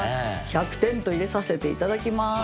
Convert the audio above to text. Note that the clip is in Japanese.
「１００点」と入れさせて頂きます！